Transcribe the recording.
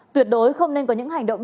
tuyệt đối không nên có những hành động